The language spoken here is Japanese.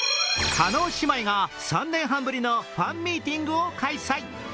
叶姉妹が３年半ぶりのファンミーティングを開催。